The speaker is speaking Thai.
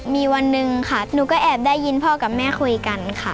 มีวันหนึ่งค่ะหนูก็แอบได้ยินพ่อกับแม่คุยกันค่ะ